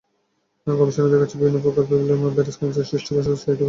গবেষণায় দেখা গেছে বিভিন্ন প্রকার প্যাপিলোমা ভাইরাস ক্যানসার কোষ সৃষ্টিতে সহায়তা করে।